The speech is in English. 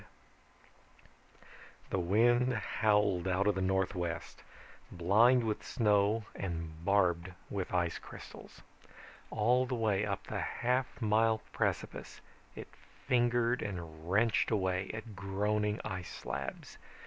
_ Illustrated by Schoenherr The wind howled out of the northwest, blind with snow and barbed with ice crystals. All the way up the half mile precipice it fingered and wrenched away at groaning ice slabs.